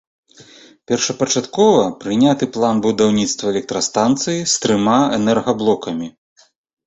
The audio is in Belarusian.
Першапачаткова прыняты план будаўніцтва электрастанцыі з трыма энергаблокамі.